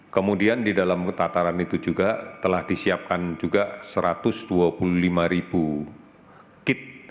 kemudian di dalam tataran itu juga telah disiapkan juga satu ratus dua puluh lima ribu kit